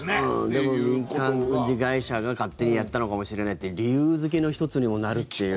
でも民間軍事会社が勝手にやったのかもしれないっていう理由付けの１つにもなるっていう。